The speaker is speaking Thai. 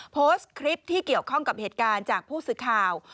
โพสต์คลิปที่เกี่ยวข้องกับเหตุการณ์จากผู้สื่อข่าว